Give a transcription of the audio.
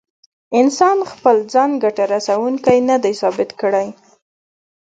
انسان خپل ځان ګټه رسوونکی نه دی ثابت کړی.